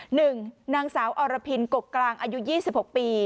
หนึ่งนางสาวอรพินกกกลางอายุ๒๖ปี